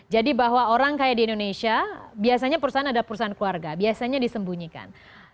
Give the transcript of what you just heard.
jadi bahwa orang kayak di indonesia biasanya perusahaan ada perusahaan keluarga biasanya disembunyikan